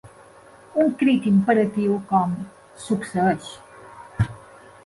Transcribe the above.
Un crit imperatiu com: succeeix!